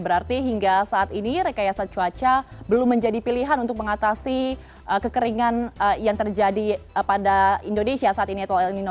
berarti hingga saat ini rekayasa cuaca belum menjadi pilihan untuk mengatasi kekeringan yang terjadi pada indonesia saat ini atau el nino